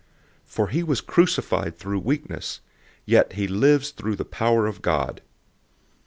013:004 For he was crucified through weakness, yet he lives through the power of God.